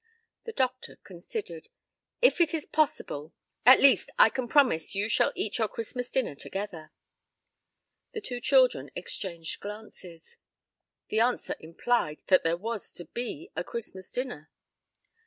The doctor considered. "If it is possible. At least, I can promise you shall eat your Christmas dinner together." The two children exchanged glances. The answer implied that there was to be a Christmas dinner.